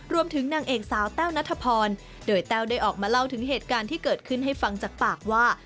นางเอกสาวแต้วนัทพรโดยแต้วได้ออกมาเล่าถึงเหตุการณ์ที่เกิดขึ้นให้ฟังจากปากว่า